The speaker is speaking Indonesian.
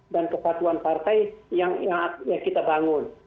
dan kesatuan partai yang kita bangun